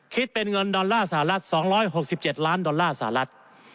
คิดเป็นเงินดอลลาร์สหรัฐ๒๖๗ล้านดอลลาร์สหรัฐ